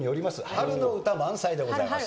春の歌満載でございます。